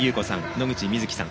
野口みずきさん